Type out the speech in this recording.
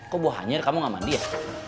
kok buah anjir kamu gak mandi ya